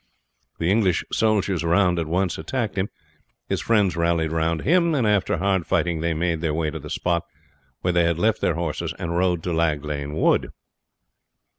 The English soldiers around at once attacked him; his friends rallied round him, and after hard fighting they made their way to the spot where they had left their horses and rode to Lag Lane Wood.